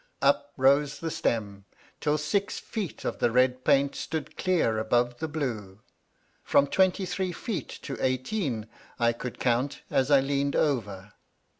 Up rose the stem till six feet of the red paint stood clear above the blue — from twenty three feet to eighteen I could count as I leaned over.